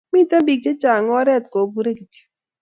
Miten pik che chang oret kopure kitok